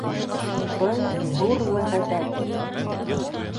Был — ҙур вәғәҙә.